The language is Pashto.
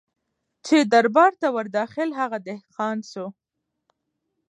چي دربار ته ور داخل هغه دهقان سو